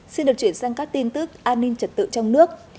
xin được chuyển sang các tin tức an ninh trật tự trong nước